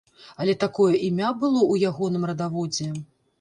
Але такое імя было ў ягоным радаводзе.